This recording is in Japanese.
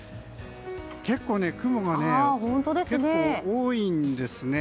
結構、雲が多いんですね。